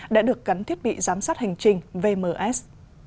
đã được gắn thiết bị giám sát hành trình vms